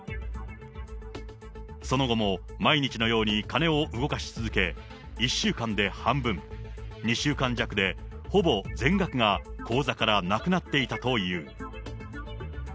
その後も毎日のように金を動かし続け、１週間で半分、２週間弱でほぼ全額が口座からなくなっていたという。